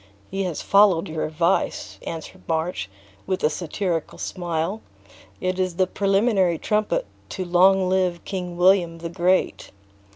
"He has followed your advice," answered March, with a satirical smile, "it is the preliminary trumpet to long live King William the Great!"